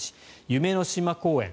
夢の島公園